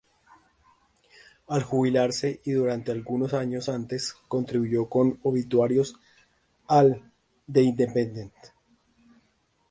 Al jubilarse, y durante algunos años antes, contribuyó con obituarios al "The Independent".